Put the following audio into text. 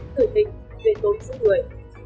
tử tình về tốn giữ người